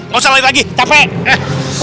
gak usah lagi capek